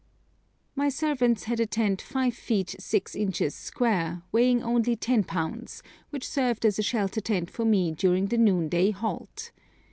My servants had a tent 5 ft. 6 in. square, weighing only 10 lbs., which served as a shelter tent for me during the noonday halt.